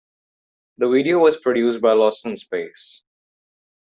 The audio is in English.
The video was produced by Lost in Space.